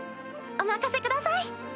お任せください。